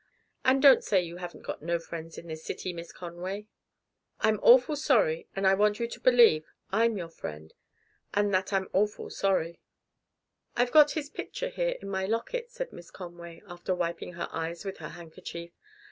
And don't say you haven't no friends in this city, Miss Conway. I'm awful sorry, and I want you to believe I'm your friend, and that I'm awful sorry." "I've got his picture here in my locket," said Miss Conway, after wiping her eyes with her handkerchief.